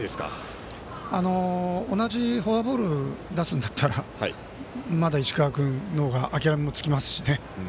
同じフォアボール出すんだったらまだ石川君の方が諦めもつきますしね。